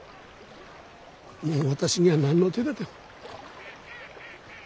もう私には何の手だても。